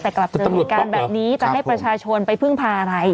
แต่กลับเจอเหตุการณ์แบบนี้จะให้ประชาชนไปพึ่งพาอะไร